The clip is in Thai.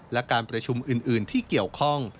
และการประชุมอื่นที่เกี่ยวข้อง